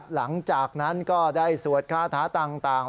หลังจากนั้นก็ได้สวดคาถาต่าง